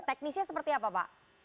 teknisnya seperti apa pak